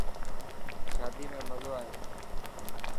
شادي ۾ مزو آيو.